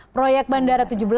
proyek bandara tujuh belas